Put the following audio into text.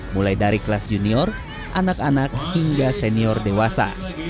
mulai dari kelas junior anak anak hingga senior dewasa